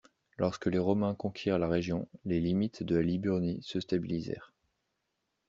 Lorsque les Romains conquirent la région, les limites de la Liburnie se stabilisèrent.